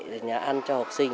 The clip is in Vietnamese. để nhà ăn cho học sinh